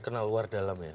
kenal luar dalam ya